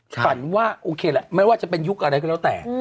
ฝันว่าโอเคแหละไม่ว่าจะเป็นยุคอะไรก็แล้วแต่